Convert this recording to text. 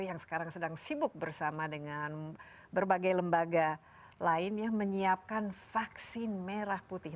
yang sekarang sedang sibuk bersama dengan berbagai lembaga lain ya menyiapkan vaksin merah putih